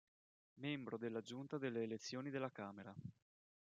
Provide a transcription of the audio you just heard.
Membro della Giunta delle Elezioni della Camera.